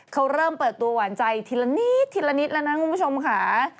เขาเริ่มเปิดตัวหวานใจทีละนิดทีละนิดแล้วนะคุณผู้ชมค่ะ